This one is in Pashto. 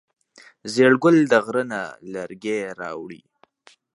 زیړ ګل د غره نه لرګی راوړی.